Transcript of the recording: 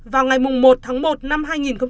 vào ngày một tháng một năm hai nghìn một mươi hai